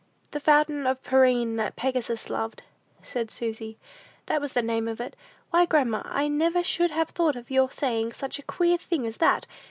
"The fountain of Pirene that Pegasus loved," said Susy; "that was the name of it. Why, grandma, I never should have thought of your saying such a queer thing as that!